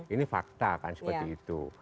ini fakta kan seperti itu